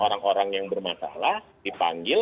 orang orang yang bermasalah dipanggil